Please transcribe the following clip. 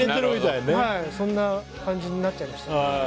そんな感じになっちゃいました。